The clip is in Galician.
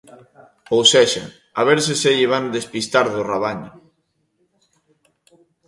Ou sexa, a ver se se lle van despistar do rabaño.